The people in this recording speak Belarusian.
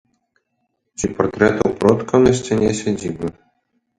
Ці партрэтаў продкаў на сцяне сядзібы.